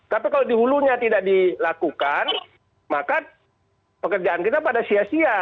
tapi kalau di hulunya tidak dilakukan maka pekerjaan kita pada sia sia